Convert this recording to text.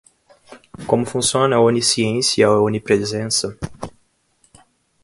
Como funciona a onisciência e a onipresença